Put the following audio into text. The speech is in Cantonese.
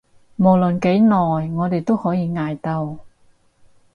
無論幾耐，我哋都可以捱到